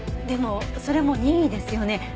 でもそれも任意ですよね？